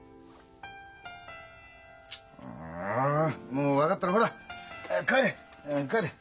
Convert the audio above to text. あもう分かったらほら早く帰れ帰れ。